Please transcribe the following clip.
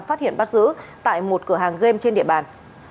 phát hiện bắt giữ tại một cửa hàng game trên địa bàn